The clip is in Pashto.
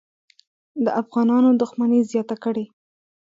د افغانانو دښمني زیاته کړي.